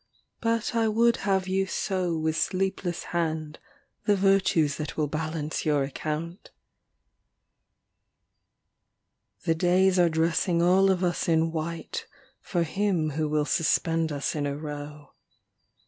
But I would have you sow with sleepless hand The virtues that will balance your account. THE DIWAN OF ABUŌĆÖL ALA 37 XIV The days are dressing all of us in white, For him who will suspend us in a row.